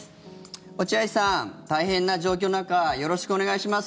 落合さん、大変な状況の中よろしくお願いします。